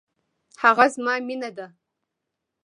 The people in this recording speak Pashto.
هغه زما مينه ده.